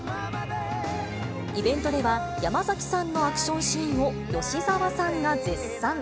イベントでは、山崎さんのアクションシーンを吉沢さんが絶賛。